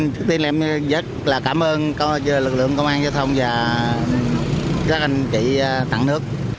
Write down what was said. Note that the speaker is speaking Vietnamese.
trước tiên em rất là cảm ơn lực lượng công an giao thông và các anh chị tặng nước